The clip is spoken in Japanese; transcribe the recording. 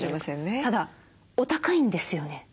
ただお高いんですよね？